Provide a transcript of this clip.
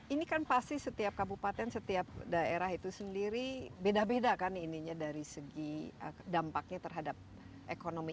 ini kan pasti setiap kabupaten setiap daerah itu sendiri beda beda kan ininya dari segi dampaknya terhadap ekonomi